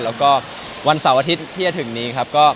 และวันเสาร์อาทิตย์ที่จะถึงนี้